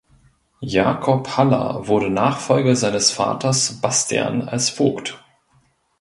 Jakob Haller wurde Nachfolger seines Vaters Bastian als Vogt.